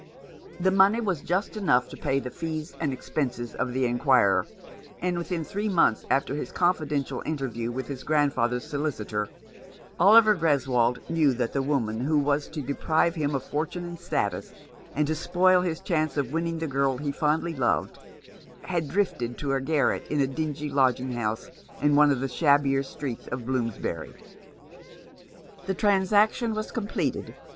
The money was just enough to pay the fees and expenses of 357 Rough Justice. the inquirer; and within three months after his confidential interview with his grandfather's solicitor, Oliver Greswold knew that the woman who was to deprive him of fortune and status, and to spoil his chance of winning the girl he fondly loved, had drifted to a garret in a dingy lodging house in one of the shabbier streets of Blooms bury. The transaction was completed.